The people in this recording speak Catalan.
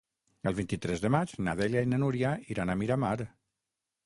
El vint-i-tres de maig na Dèlia i na Núria iran a Miramar.